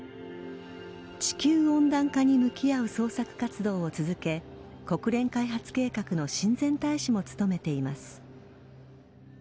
地球温暖化に向き合う創作活動を続け国連開発計画の親善大使も務めています。